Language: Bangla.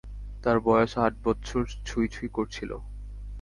তার বয়স আট বৎসর ছুঁই ছুঁই করছিল।